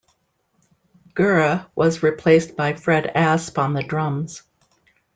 Gurra was replaced by Fred Asp on the drums.